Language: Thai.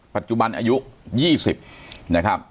ปัจจุบันอายุ๒๐นะครับ